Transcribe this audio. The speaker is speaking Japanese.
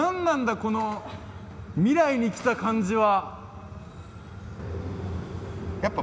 この未来にきた感じは。